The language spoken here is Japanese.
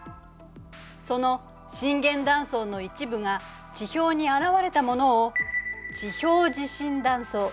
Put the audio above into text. その震源断層の一部が地表に現れたものを「地表地震断層」というのよ。